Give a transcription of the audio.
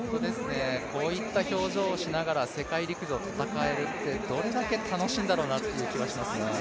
こういった表情をしながら世界陸上戦えるってどれだけ楽しいんだろうなっていう気はしますね。